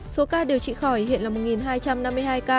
số ca điều trị khỏi hiện là một hai trăm năm mươi hai ca